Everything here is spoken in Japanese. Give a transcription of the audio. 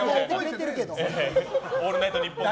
「オールナイトニッポン」でね。